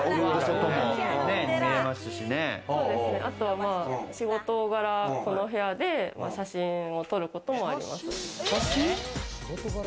あとは仕事柄、この部屋で写真を撮ることもあります。